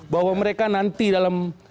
bahwa mereka nanti dalam